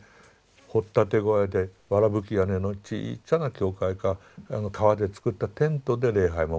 掘っ立て小屋でわらぶき屋根のちいちゃな教会か皮で作ったテントで礼拝を守っていた。